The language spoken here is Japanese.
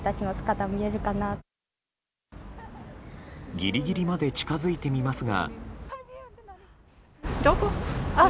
ギリギリまで近づいてみますが。